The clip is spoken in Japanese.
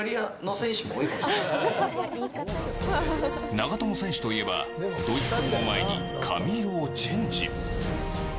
長友選手といえばドイツ戦を前に髪色をチェンジ。